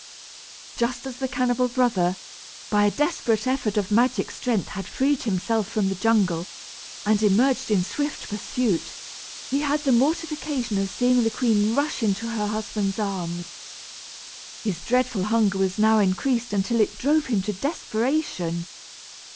Just as the cannibal brother, by a desperate effort of magic strength had freed himself from the jungle, and emerged in swift pursuit, he had the mortification of seeing the queen rush into her husband's arms. His dreadful hunger was now increased until it drove him to desperation.